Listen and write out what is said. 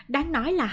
đáng nói là hành động